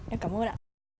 em cảm ơn ạ